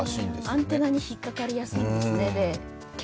はぁ、アンテナに引っかかりやすいんですね。